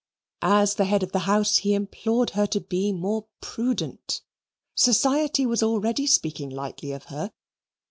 As the head of the house he implored her to be more prudent. Society was already speaking lightly of her.